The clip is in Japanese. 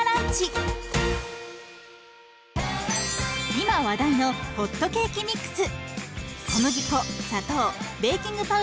今話題のホットケーキミックス。